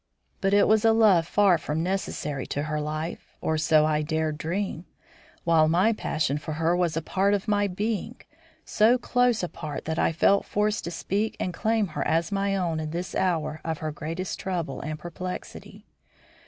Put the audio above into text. But it was a love far from necessary to her life or so I dared dream; while my passion for her was a part of my being, so close a part that I felt forced to speak and claim her as my own in this hour of her greatest trouble and perplexity.